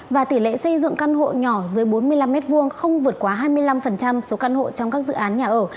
và tỷ lệ xây dựng căn hộ nhỏ dưới bốn mươi năm m hai không vượt quá hai mươi năm số căn hộ trong các dự án nhà ở